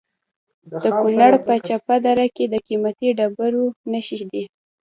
د کونړ په چپه دره کې د قیمتي ډبرو نښې دي.